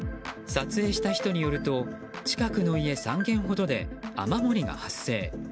撮影した人によると近くの家３軒ほどで雨漏りが発生。